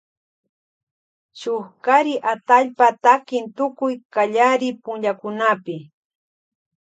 Shuk kari atallpa takin tukuy kallari punllakunapi.